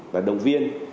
và động viên